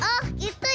oh gitu ya